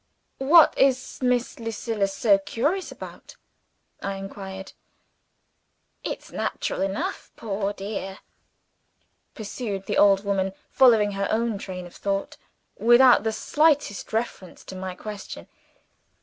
"What is Miss Lucilla so curious about?" I inquired. "It's natural enough, poor dear," pursued the old woman, following her own train of thought, without the slightest reference to my question.